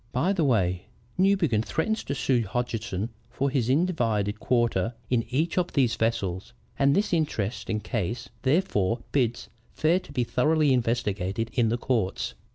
By the way, Newbegin threatens to sue Hodgeson for his individed quarter in each of these vessels, and this interesting case therefore bids fair to be thoroughly investigated in the courts.